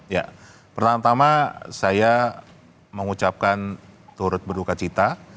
ya pertama tama saya mengucapkan turut berduka cita